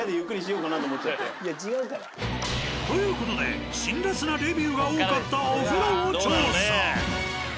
いや違うから。という事で辛辣なレビューが多かったお風呂を調査。